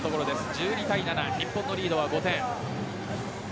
１２対７、日本のリードは５点。